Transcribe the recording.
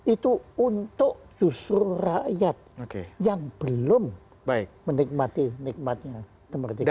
itu untuk justru rakyat yang belum menikmati nikmatnya kemerdekaan